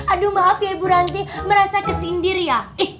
aduh maaf ya ibu ranti merasa kesindir ya